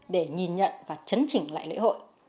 để nhìn nhận và chấn chỉnh lại lễ hội